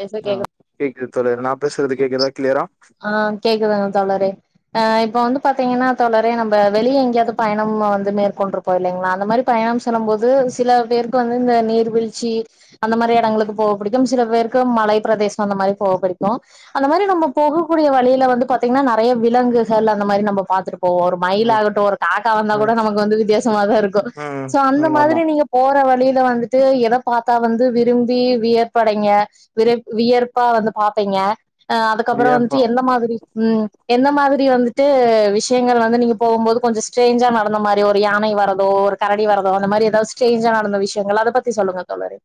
பேச ஆ கேக்கு கேக்குது தோழர் நா பேசுறது கேக்குதா க்ளியரா ஆ கேக்குதுங்க தோழரே ஆ இப்ப வந்து பாத்திங்கன்னா தோழரே நம்ப வெளியே எங்கயாது பயணம் வந்து மேற்கொண்ட்ரு ப்போ இல்லைங்ளா அந்த மாரி பயணம் சொல்லும் போது சில பேருக்கு வந்து இந்த நீர்வீழ்ச்சி அந்த மாரி ம் எடங்களுக்கு போக பிடிக்கும் சில பேருக்கு மலை பிரதேச அந்த மாரி போக பிடிக்கு அந்த மாரி நம்ம போகக்கூடிய வழியில வந்து பாத்திங்னா நெறைய விலங்குகள் அந்த மாரி நம்ம பாத்துட்டு போவோ ஒரு மயில் ம் ஆகட்டு ஒரு காக்கா வந்தா ம் கூட நமக்கு வந்து வித்தியாசமாதா இருக்கு ம் சோ அந்த ம் ஆமா மாதிரி நீங்க போற வழியில வந்துட்டு எத பாத்தா வந்து விரும்பி வியப்படைங்க விர வியர்ப்பா வந்து பாப்பிங்க அதுக்கப்பற வந்துட்டு வியப்பா எந்த மாதிரி ம் எந்த மாதிரி வந்துட்டு விஷயங்கள் வந்து நீங்க போகும் போது கொஞ்ச ஸ்ட்ரேஞ்சா நடந்த மாரி ஒரு யானை வர்ற தோ ஒரு கரடி வரதோ அந்த மாரி எதாவது ம் ஸ்ட்ரேஞ்சா நடந்த விஷயங்கள் அத பத்தி சொல்லுங்க தோழரே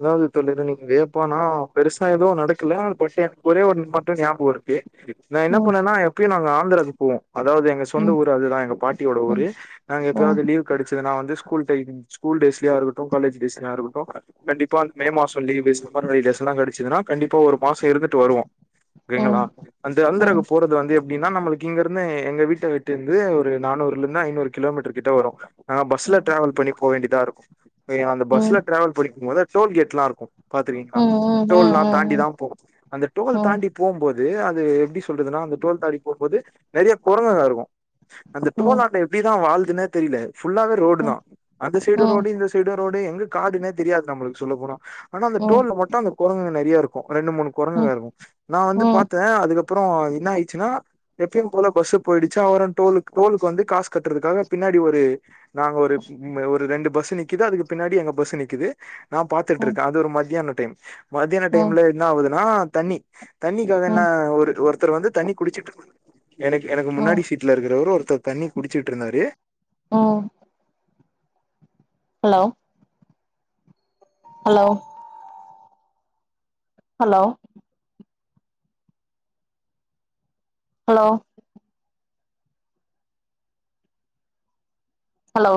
அதாவது தோழி இத நீங்க வியப்பானா பெருசா எதுவு நடக்கல ஆனா பட் எனக்கு ஒரே ஒன்னு மட்டு ஞாபக இருக்கு நா என்ன ம் பண்ணனா எப்பயு நாங்க ஆந்திராவுக்கு போவோ அதாவது எங் க ம் சொந்த ஊரு அதுதா எங்க பாட்டியோட ம் ஊரு நாங்க ம் எப்பயாது லீவ் கெடைச்சிதுனா வந்து ஸ்கூல் டைம் ஸ்கூல் டேஸ்லயா இருக்கட்டு காலேஜ் டேஸ்லயா இருக்கட்டு கண்டிப்பா மே மாச லீவு சம்மர் டேஸ்லா கெடைச்சிதுன்னா கண்டிப்பா ஒரு மாச இருந்துட்டு வருவோ செரிங்களா ம் அந்த அந்திராக்கு ம் போறது வந்து எ எப்படின்னா நம்மளுக் இங்க இருந்து எங்க வீட்ட விட்டுருந்து ஒரு நானூறுல இருந்து ஐநூறு கிலோமீட்டர் கிட்ட வரு ஆ பஸ்ல டிராவல் பண்ணி போ வேண்டிதா இருக்கு அந்த பஸ்ல ம் டிராவல் பிடிக்கும் போது டோல் கேட்லா இருக்கு ம் பாத்துருக்கிங்களா ம் ம் டோல்லா தாண்டிதா ம் போனு அந்த டோல் தாண்டி போம்போது அது எப்டி சொல்றதுன்னா அந்த டோல் தாண்டி போம்போது நெறைய குரங்குங்க இருக்கு அந்த ம் டோலான்ட எப்டிதா வாழுதுன்னே தெரில ஃபுல்லாவே ரோடுதா அந்த ம் சைடு ம் ரோடு இந்த சைடு ரோடு எங்கு காடுனே தெரியாது நம்மளுக்கு சொல்ல போனா ஆனா அந்த ம் டோல்ல மட்டு அந்த கொரங்குங்க நெறையா இருக்கு ரெண்டு மூணு ம் ம் கொரங்குங்க இருக்கு நா வந்து ம் பாத்த அதுக்கப்பற என்ன ஆயிருச்சுனா எப்பயும் போல பஸ்ஸு போயிடுச்சா அவரு டோல் டோலுக்கு வந்து காசு கட்டுறதுக்காக பின்னாடி ஒரு நாங்க ஒரு ஒரு ரெண்டு பஸ்ஸு நிக்குது அதுக்கு பின்னாடி எங்க பஸ்ஸு நிக்குது நா பாத்துட்டுருக்க அது ஒரு மத்தியான டைம் மத்தியான ம் டைம்ல என்ன ஆகுதுன்னா தண்ணி ம் தண்ணிக்காகன்ன ம் ஒரு ஒருத்தர் வந்து தண்ணி குடிச்சுட்டு இருந்தாரு எனக்கு எனக்கு முன்னாடி சீட்ல இருக்கிறவரு ஒருத்தர் தண்ணி குடிச்சுட்டு இருந்தாரு ஓ hello hello hello hello hello